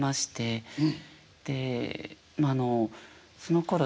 でそのころ